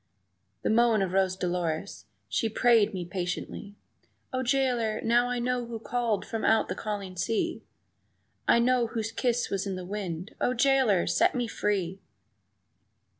The moan of Rose Dolores (she prayed me patiently) "O jailer, now I know who called from out the calling sea, I know whose kiss was in the wind O jailer, set me free!"